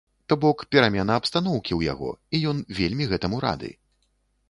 То бок перамена абстаноўкі ў яго і ён вельмі гэтаму рады.